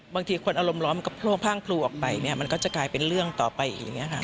บางทีคนอารมณ์ร้อนมันก็โพ่งพ่างพลูออกไปเนี่ยมันก็จะกลายเป็นเรื่องต่อไปอย่างนี้ค่ะ